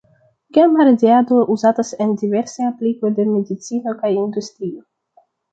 Gama-radiado uzatas en diversaj aplikoj de medicino kaj industrio.